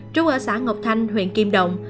trú ở xã ngọc thanh huyện kim động